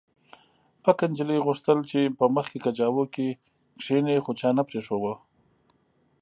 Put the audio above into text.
پکه نجلۍ غوښتل چې په مخکې کجاوو کې کښېني خو چا نه پرېښوده